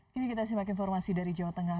kini kita simak informasi dari jawa tengah